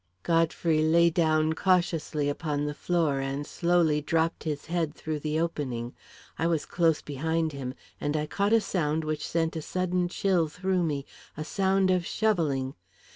Godfrey lay down cautiously upon the floor, and slowly dropped his head through the opening. I was close behind him, and I caught a sound which sent a sudden chill through me a sound of shovelling.